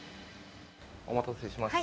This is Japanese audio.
お待たせしました。